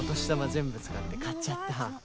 全部使って買っちゃった